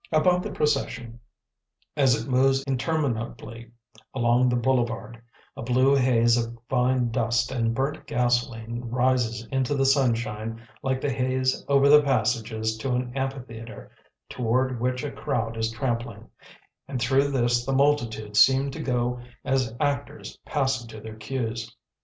About the procession, as it moves interminably along the boulevard, a blue haze of fine dust and burnt gasoline rises into the sunshine like the haze over the passages to an amphitheatre toward which a crowd is trampling; and through this the multitudes seem to go as actors passing to their cues.